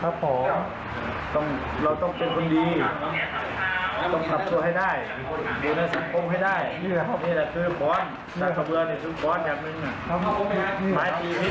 เขาจะทำร้ายคนอยู่ข้างในไหนเขาก็กลัวดิ